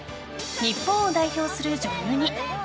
日本を代表する女優に。